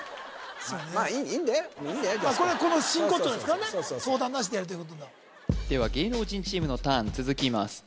これはこの真骨頂ですからね相談なしでやるということになるでは芸能人チームのターン続きます